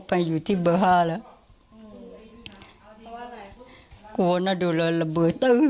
ไปอยู่ที่เบอร์ห้าแล้ว